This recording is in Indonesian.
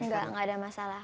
gak gak ada masalah